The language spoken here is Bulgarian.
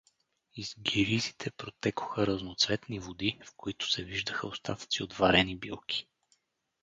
Из гиризите протекоха разноцветни води, в които се виждаха остатъци от варени билки.